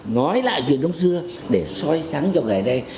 nói lại chuyện đông xưa để xoay sáng cho ngày nay